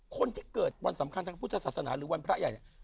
คนที่เกิดวันสำคัญทางพุทธศาสนาหรือวันพระใหญ่เนี่ย